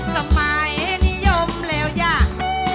สมัยนิยมแล้วยัง